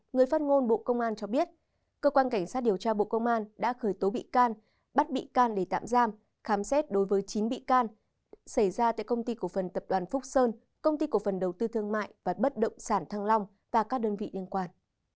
người phát ngôn bộ công an cho biết cơ quan cảnh sát điều tra bộ công an đã khởi tố bị can bắt bị can để tạm giam khám xét đối với chín bị can xảy ra tại công ty cổ phần tập đoàn phúc sơn công ty cổ phần đầu tư thương mại và bất động sản thăng long và các đơn vị liên quan